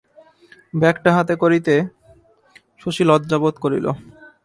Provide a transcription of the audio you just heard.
ব্যাগটা হাতে করিতে শশী লজ্জা বোধ করিল।